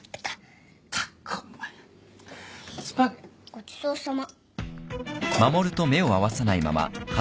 ごちそうさま。